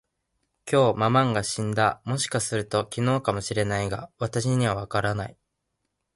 きょう、ママンが死んだ。もしかすると、昨日かも知れないが、私にはわからない。